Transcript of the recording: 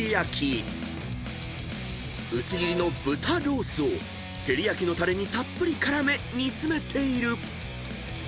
［薄切りの豚ロースを照り焼きのたれにたっぷり絡め煮詰めている］